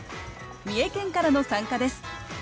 三重県からの参加です。